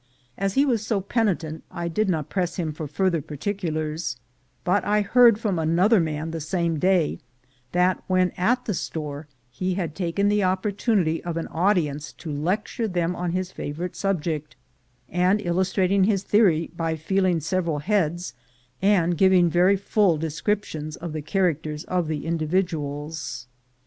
As he was so penitent, I did not press him for further particulars; but I heard from another man the same day that when at the store he had taken the opportunity of an audience to lecture them on his favorite subject, and illus trated his theory by feeling several heads, and giving very full descriptions of the characters of the indi viduals.